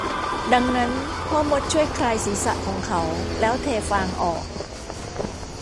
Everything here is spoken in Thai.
ดังนั้นพ่อมดช่วยคลายศีรษะของเขาแล้วเทฟางออก